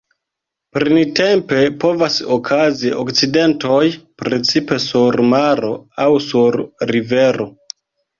Printempe povas okazi akcidentoj, precipe sur maro aŭ sur rivero.